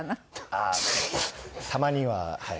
ああたまにははい。